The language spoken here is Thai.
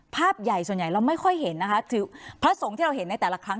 ภาพใหญ่ส่วนใหญ่เราไม่ค่อยเห็นนะคะคือพระสงฆ์ที่เราเห็นในแต่ละครั้ง